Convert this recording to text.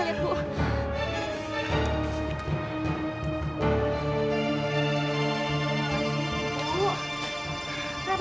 saya sudah selesai